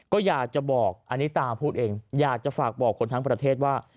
ก็อยากจะบอกอันนี้ตาพูดเองอยากจะฝากบอกคนทั้งประเทศว่า